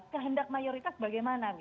kehendak mayoritas bagaimana